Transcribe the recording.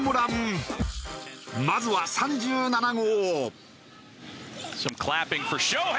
まずは３７号。